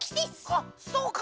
あそうか！